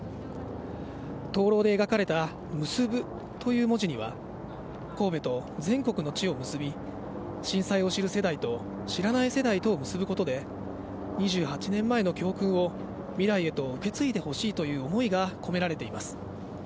灯籠で描かれたむすぶという文字には、神戸と全国の地を結び、震災を知る世代と、知らない世代とを結ぶことで、２８年前の教訓を未来へと受け継いでほしいという思いが込められています。